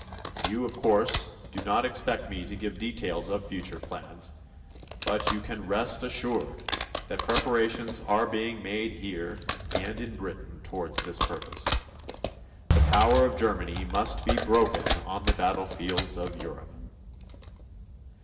You, of course, do not expect me to give details of future plans, but you can rest assured that preparations are being made here and in Britain toward this purpose. The power of Germany must be broken on the battlefields of Europe.